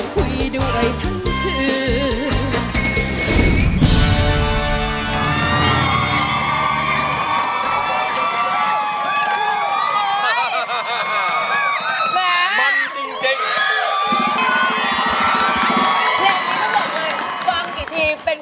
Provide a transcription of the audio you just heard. คุยด้วยทุกคืน